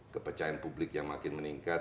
kepercayaan publik yang makin meningkat